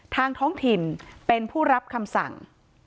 ท้องถิ่นเป็นผู้รับคำสั่ง